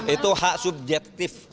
itu hak subjektif